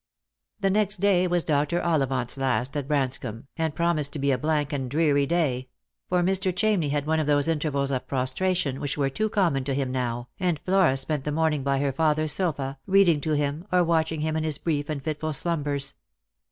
The next day was Dr. Ollivant's last at Branscomb, and pro mised to be a blank and dreary day ; for Mr. Chamney had one of those intervals of prostration which were too common to him now, and Flora spent the morning by her father's sofa, reading to him or watching him in his brief and fitful slumbers.